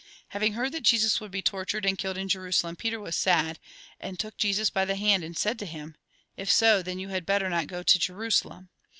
Having heard that Jesus would be torturea and killed in Jerusalem, Peter was sad, and took Jesus by the hand, and said to him :" If so, then you had better not go to Jerusalem."